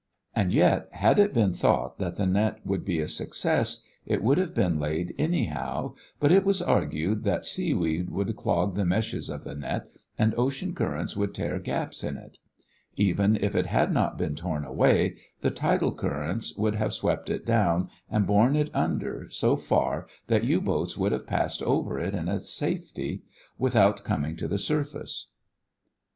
And yet had it been thought that the net would be a success it would have been laid anyhow, but it was argued that seaweed would clog the meshes of the net and ocean currents would tear gaps in it. Even if it had not been torn away, the tidal currents would have swept it down and borne it under so far that U boats could have passed over it in safety without coming to the surface.